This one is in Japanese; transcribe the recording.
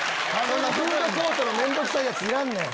フードコートの面倒くさいヤツいらんねん！